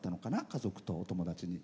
家族とお友達に。